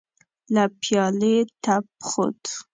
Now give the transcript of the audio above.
له پيالې تپ خوت.